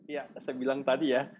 ya seperti yang saya katakan tadi